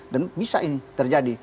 dan bisa ini terjadi